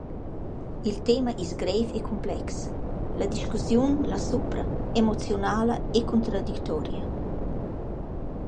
Il tema es greiv e cumplex, la discussiun lasupra emoziunala e cuntradictoria.